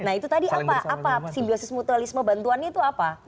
nah itu tadi apa simbiosis mutualisme bantuannya itu apa